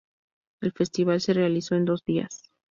El festival se realizó en dos días.